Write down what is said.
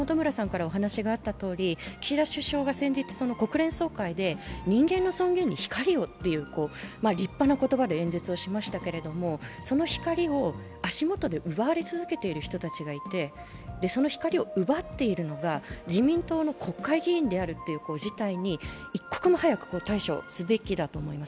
岸田首相が先日、国連総会で「人間の尊厳に光を」なんて立派な言葉で演説をしましたけれども、その光を足元で奪われ続けている人たちがいて、その光を奪っているのが自民党の国会議員であるという事態に一刻も早く退所すべきだと思います。